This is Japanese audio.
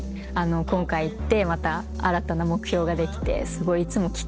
今回行ってまた新たな目標ができてすごい。